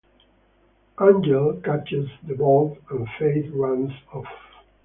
Angel catches the bolt and Faith runs off.